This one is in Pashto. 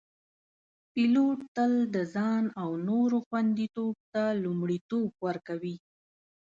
پیلوټ تل د ځان او نورو خوندیتوب ته لومړیتوب ورکوي.